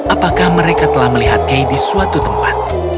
apakah mereka telah melihat kay di suatu tempat